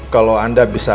kalau anda bisa